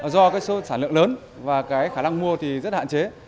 do số sản lượng lớn và khả năng mua rất hạn chế